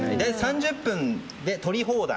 ３０分で採り放題。